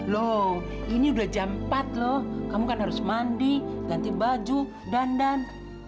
loh ini udah jam empat loh kamu kan harus mandi ganti baju dandan